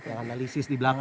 yang analisis di belakang